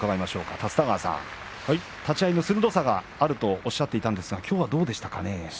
立田川さん、立ち合いの鋭さがあるとおっしゃっていましたがきょうはどうでしたか。